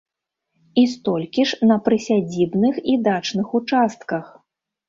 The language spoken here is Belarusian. І столькі ж на прысядзібных і дачных участках.